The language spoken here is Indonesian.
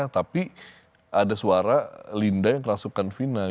tapi ada suara linda yang kerasukan fina